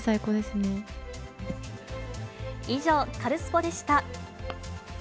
以上、カルスポっ！でした。